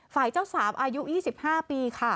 ฝ่ายเจ้าสาวอายุ๒๕ปีค่ะ